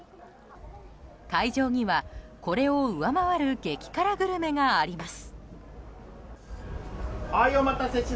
会場には、これを上回る激辛グルメがあります。